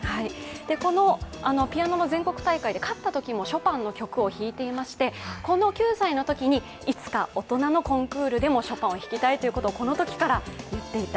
このピアノの全国大会で勝ったときもショパンの曲を弾いていましてこの９歳のときに、いつか大人のコンクールでもショパンを弾きたいとこのときから言っていた。